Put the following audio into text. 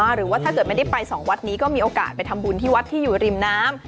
หรือว่าถ้าเกิดไม่ได้ไปสองวัดนี้ก็มีโอกาสไปทำบุญที่วัดที่อยู่ริมน้ำ